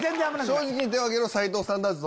「正直に手を挙げろ斎藤さんだぞ」